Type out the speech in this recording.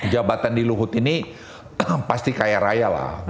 jabatan di luhut ini pasti kaya raya lah